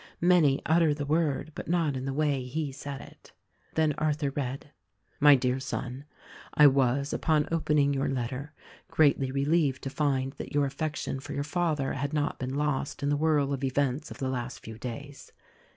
Many utter the word, but not in the way he said it. Then Arthur read: "My Dear Son — I was, upon open ing your letter, greatly relieved to find that your affec tion for your father had not been lost in the whirl of events of the last few days.